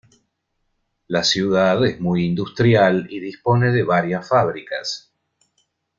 La ciudad es muy industrial y dispone de varias fábricas.